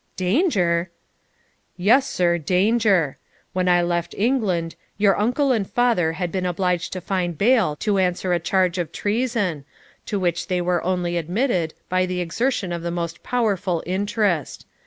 'Danger!' 'Yes, sir, danger. When I left England your uncle and father had been obliged to find bail to answer a charge of treason, to which they were only admitted by the exertion of the most powerful interest.